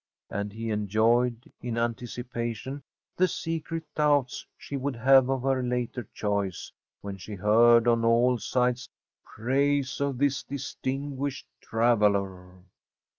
And he enjoyed, in anticipation, the secret doubts she would have of her later choice when she heard on all sides praise of this distinguished traveller.